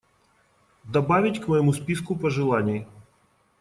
Добавить к моему списку пожеланий.